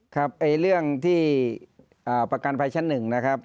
ครับเรื่องที่ประกันภัยชั้น๑นะครับ